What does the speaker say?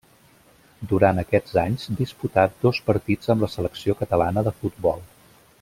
Durant aquests anys disputà dos partits amb la selecció catalana de futbol.